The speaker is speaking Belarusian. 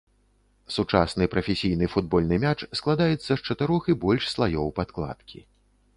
Сучасны прафесійны футбольны мяч складаецца з чатырох і больш слаёў падкладкі.